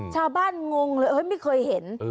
ชาวบ้านงงเลยไม่เคยเห็น